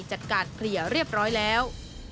จัดการเคลียร์เรียบร้อยแล้ว